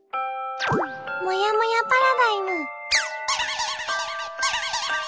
「もやもやパラダイム」。